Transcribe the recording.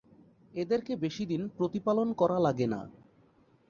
এদেরকে বেশি দিন প্রতিপালন করা লাগে না।